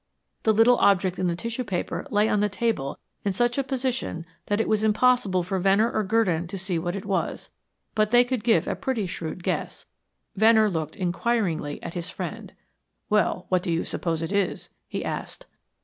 The little object in the tissue paper lay on the table in such a position that it was impossible for Venner or Gurdon to see what it was, but they could give a pretty shrewd guess. Venn or looked inquiringly at his friend. "Well, what do you suppose it is?" he asked.